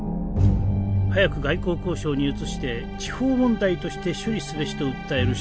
「早く外交交渉に移して地方問題として処理すべし」と訴える社説。